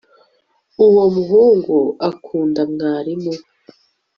Uwo muhungu akunda mwarimu we